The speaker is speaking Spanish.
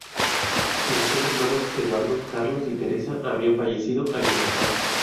Los otros hermanos; Eduardo, Carlos y Teresa, habían fallecido años atrás.